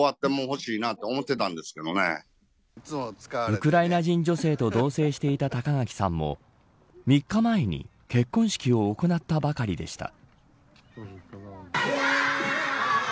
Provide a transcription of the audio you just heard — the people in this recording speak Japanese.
ウクライナ人女性と同棲していた高垣さんも３日前に結婚式を行ったばかりでした。